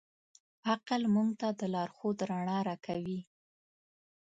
عقل موږ ته د لارښود رڼا راکوي.